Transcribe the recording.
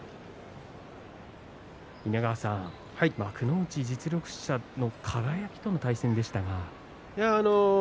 稲川さん、幕内実力者の輝との対戦でしたが。